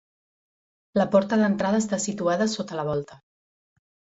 La porta d'entrada està situada sota la volta.